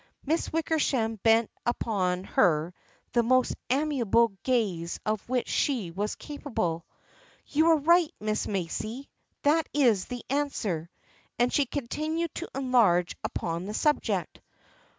Miss Wickersham bent upon her the most amiable gaze of which she was capable. " You are right, Miss Macy. That is the answer." And she continued to enlarge upon the subject.